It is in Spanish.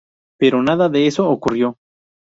Pero nada de eso ocurrió.